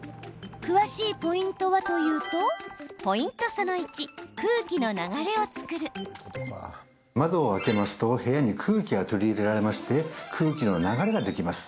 詳しいポイントはというと窓を開けますと部屋に空気が取り入れられまして空気の流れができます。